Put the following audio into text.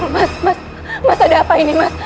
mas mas ada apa ini mas